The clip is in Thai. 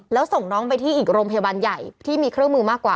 แล้วส่งน้องไปที่อีกโรงพยาบาลใหญ่ที่มีเครื่องมือมากกว่า